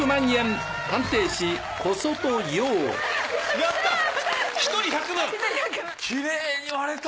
やった！